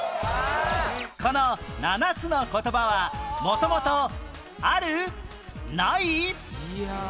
この７つの言葉は元々ある？ない？